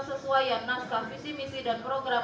sesuai naskah visi misi dan program